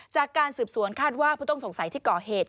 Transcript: จากการสืบสวนคาดว่าผู้ต้องสงสัยที่ก่อเหตุ